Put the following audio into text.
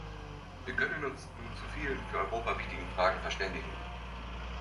Wir können uns nun zu vielen für Europa wichtigen Fragen verständigen.